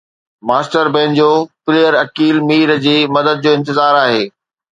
master banjo player Aqeel Mir جي مدد جو انتظار آهي